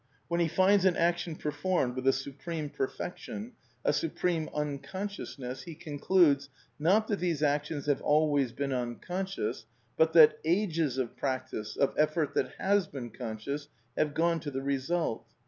^^ When he finds an action performed with a supreme perfection, a supreme unconsciousness, he concludes — not that these actions have always been unconscious, but — that ages of ^ ^^actice, of effort that has been conscious, have gone to the \ result.